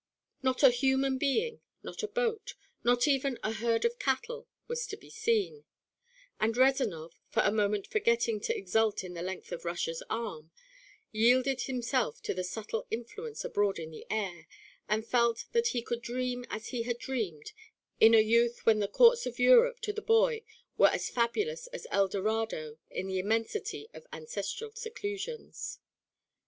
Not a human being, not a boat, not even a herd of cattle was to be seen, and Rezanov, for a moment forgetting to exult in the length of Russia's arm, yielded himself to the subtle influence abroad in the air, and felt that he could dream as he had dreamed in a youth when the courts of Europe to the boy were as fabulous as El Dorado in the immensity of ancestral seclusions.